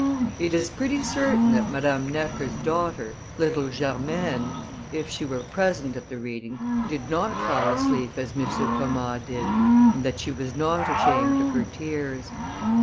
It is pretty certain that Madame Necker's daughter, little Germaine, if she were present at the reading, did not fall asleep as M. Thomas did, and that she was not ashamed of her tears.